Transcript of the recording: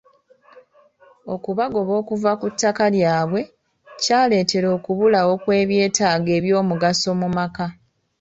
Okubagoba okuva ku ttaka lyabwe kyaleetera okubulawo kw'ebyetaago eby'omugaso mu maka.